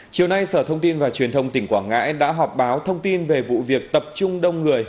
chiều nay sở thông tin và truyền thông tỉnh quảng ngãi đã họp báo thông tin về vụ việc tập trung đông người